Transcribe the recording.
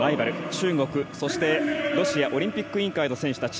中国そしてロシアオリンピック委員会の選手たち。